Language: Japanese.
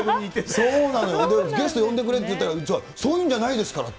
そうなのよ、ゲスト呼んでくれって言ったら、うちはそういうんじゃないですからって。